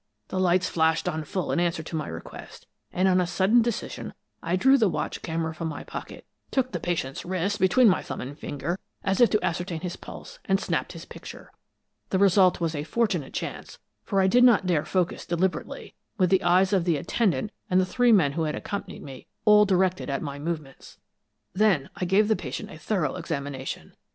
The lights flashed on full in answer to my request, and on a sudden decision I drew the watch camera from my pocket, took the patient's wrist between my thumb and finger as if to ascertain his pulse, and snapped his picture. The result was a fortunate chance, for I did not dare focus deliberately, with the eyes of the attendant and the three men who had accompanied me, all directed at my movements. "Then I gave the patient a thorough examination.